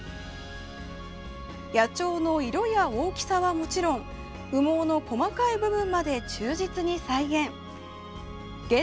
野鳥の色や大きさはもちろん羽毛の細かい部分まで忠実に再現。